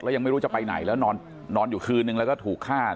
ยังไม่รู้จะไปไหนแล้วนอนอยู่คืนนึงแล้วก็ถูกฆ่า